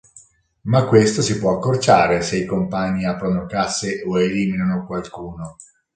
Ma questo si può accorciare se i compagni aprono casse o eliminano qualcuno.